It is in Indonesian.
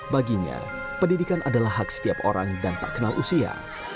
baginya pendidikan adalah hak setiap orang dan tak kenal usia